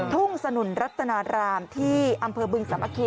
ทุ่งสนุนรัตนารามที่อำเภอบึงสามัคคี